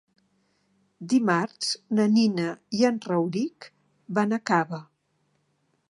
Dimarts na Nina i en Rauric van a Cava.